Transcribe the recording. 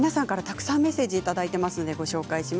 たくさんメッセージをいただいています。